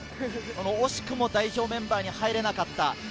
惜しくも代表メンバーに入れなかった。